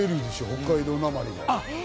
北海道なまり。